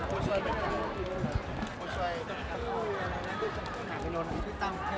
ขอบคุณมากพี่